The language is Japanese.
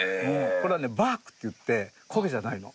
これはねバークっていって焦げじゃないの。